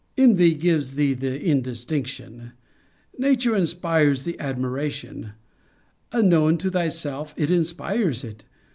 Envy gives thee the indistinction: Nature inspires the admiration: unknown to thyself it inspires it.